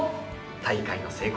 大会の成功